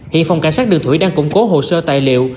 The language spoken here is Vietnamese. hiện phòng cảnh sát đường thủy đang củng cố hồ sơ tài liệu